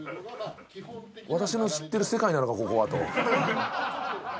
私の知ってる世界なのかここは？と。